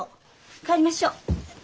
帰りましょう。